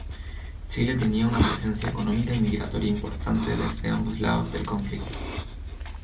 Chile tenía una presencia económica y migratoria importante desde ambos lados en conflicto.